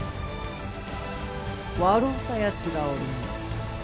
笑うたやつがおるの。